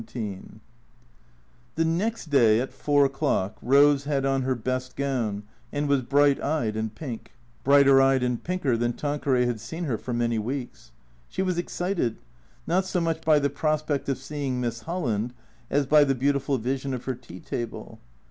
XVII THE next day at four o'clock Eose had on her best gown and was bright eyed and pink. Brighter eyed and pinker than Tanqueray had seen her for many weeks. She was excited, not so much by the prospect of seeing Miss Holland as by the beautiful vision of her tea table.